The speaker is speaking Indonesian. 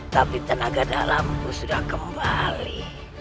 tapi tenaga dalamku sudah kembali